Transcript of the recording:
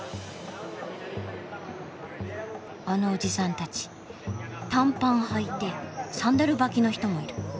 あのおじさんたち短パンはいてサンダル履きの人もいる。